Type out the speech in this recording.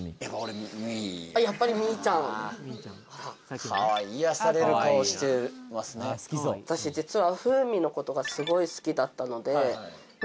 やっぱりみいちゃんかわいい私実は風美のことがすごい好きだったのでみ